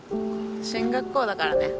進学校だからね。